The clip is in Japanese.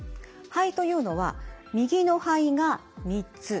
肺というのは右の肺が３つ。